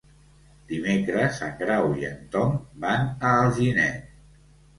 Dimecres en Grau i en Tom van a Alginet.